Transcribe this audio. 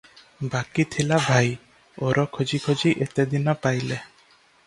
ବାକି ଥିଲା ଭାଇ --ଓର ଖୋଜି ଖୋଜି ଏତେଦିନ ପାଇଲେ ।